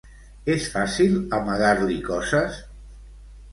És fàcil amagar-li coses?